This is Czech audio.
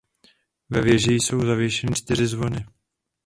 Ve věži jsou zavěšeny čtyři zvony.